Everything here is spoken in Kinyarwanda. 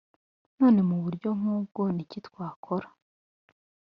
none mu buryo nk ubwo niki twakora?